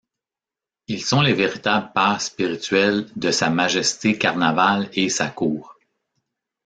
Ils sont les véritables pères spirituels de Sa Majesté Carnaval et sa Cour.